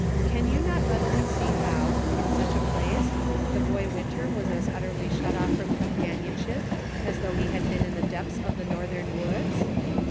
Can you not readily see how, in such a place, the boy Winter was as utterly shut off from companionship as though he had been in the depths of the Northern woods